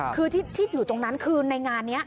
คือที่อยู่ตรงนั้นคือในงานนี้